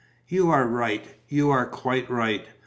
"You are right. You are quite right.